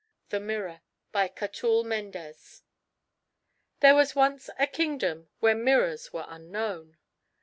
THE MIRROR BY CATULLE MENDES There was once a kingdom where mirrors were unknown.